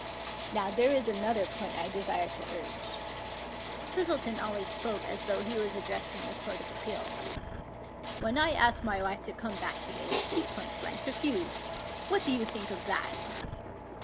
" Now there is another point I desire to urge." Twis 295 English Mystery Stories tleton always spoke as though he was addressing the Court of Appeal. " When I asked my wife to come back to day, she point blank refused. What do you think of that